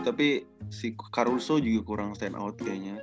tapi si karuso juga kurang stand out kayaknya